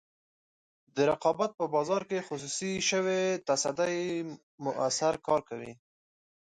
د رقابت په بازار کې خصوصي شوې تصدۍ موثر کار کوي.